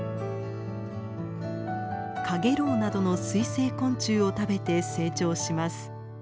カゲロウなどの水生昆虫を食べて成長します。